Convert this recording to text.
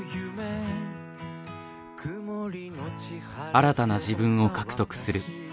新たな自分を獲得する。